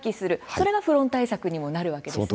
それがフロン対策にもなるわけですね。